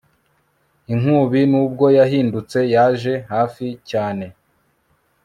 Inkubi nubwo yahindutse yaje hafi cyane